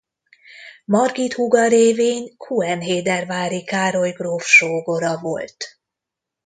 Margit húga révén Khuen-Héderváry Károly gróf sógora volt.